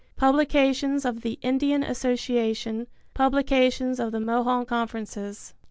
Publications of the Indian Association; publications of the Mohonk Conferences.